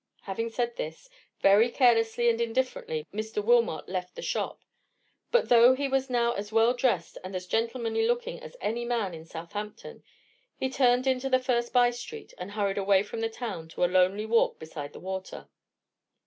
Having said this, very carelessly and indifferently, Mr. Wilmot left the shop: but though he was now as well dressed and as gentlemanly looking as any man in Southampton, he turned into the first by street, and hurried away from the town to a lonely walk beside the water.